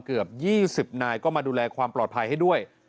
เกือบ๒๐นายก็มาดูแลความปลอดภัยให้ด้วย